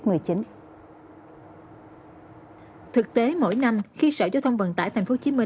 thực tế mỗi năm khi sở giao thông vận tải tp hcm